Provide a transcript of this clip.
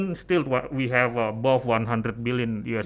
masih lebih dari seratus juta dolar